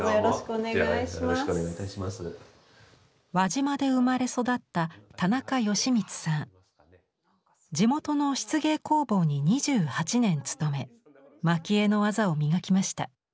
輪島で生まれ育った地元の漆芸工房に２８年勤め蒔絵の技を磨きました。